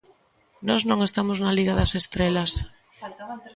Nós non estamos na Liga das estrelas.